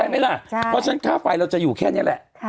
เพราะฉะนั้นค่าไฟเราจะอยู่แค่นี้แหละ